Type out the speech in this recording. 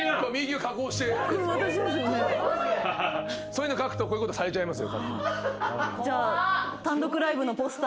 そういうの書くとこういうことされちゃいますよ。